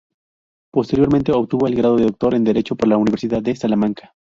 Posteriormente obtuvo el grado de Doctor en Derecho por la Universidad de Salamanca.